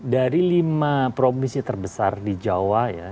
dari lima provinsi terbesar di jawa ya